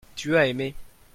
tu as aimé.